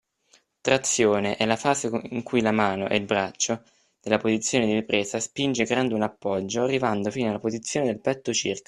Trazione: è la fase in cui la mano (e il braccio) dalla posizione di presa, spinge creando un “appoggio”, arrivando fino alla posizione del petto circa.